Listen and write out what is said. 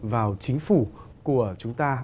vào chính phủ của chúng ta